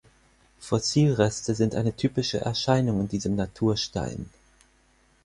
Fossilreste sind eine typische Erscheinung in diesem Naturstein.